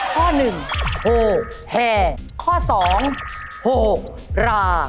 ข้อ๑โหแหข้อ๒โหรา